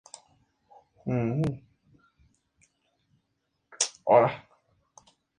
La experiencia pone a Warlock en coma.